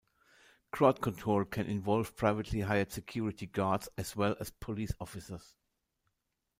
Crowd control can involve privately hired security guards as well as police officers.